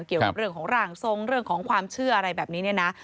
เกี่ยวกับเรื่องของร่างทรงเรื่องของความเชื่ออะไรแบบนี้เนี่ยนะ